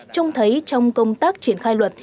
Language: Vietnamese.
trông thấy trong công tác triển khai luật